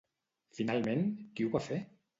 Finalment, qui ho va fer?